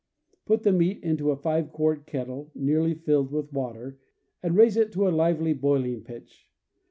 Put the meat into a five quart kettle nearly filled with water, and raise it to a lively boiling pitch.